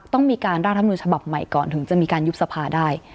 ต้องมีการร่างรัฐมนุนฉบับใหม่ก่อนถึงจะมีการยุบสภาได้